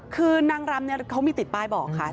คือนางรำเนี่ยเขามีติดป้ายบอกค่ะ